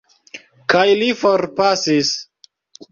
Kaj li forpasis.